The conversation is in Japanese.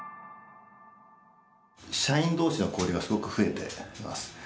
社員同士の交流がすごく増えてます。